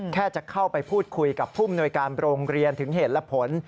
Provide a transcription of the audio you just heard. แค่จะเข้าไปพูดคุยกับผู้มนวยการโรงเรียนถึงเหตุและผล